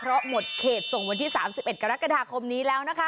เพราะหมดเขตส่งวันที่๓๑กรกฎาคมนี้แล้วนะคะ